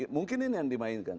mungkin ini yang dimainkan